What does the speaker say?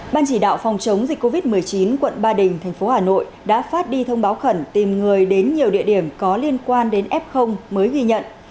ban chỉ đạo phòng chống dịch covid một mươi chín quận ba đình thành phố hà nội đã phát đi thông báo khẩn tìm người đến nhiều địa điểm có liên quan đến f mới ghi nhận